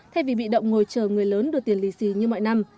thay vì bị động ngồi chờ người lớn đưa tiền lì xì như mọi năm